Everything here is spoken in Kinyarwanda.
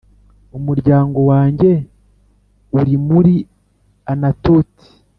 umuryango wanjye uri muri Anatoti